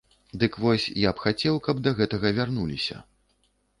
Дык вось, я б хацеў, каб да гэтага вярнуліся.